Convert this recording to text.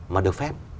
mà được phép